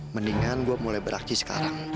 mendingan gua mulai berakji sekarang